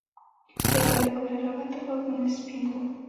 پېغله له کوره راووته غوږونه سپین وو.